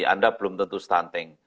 anda belum tentu stunting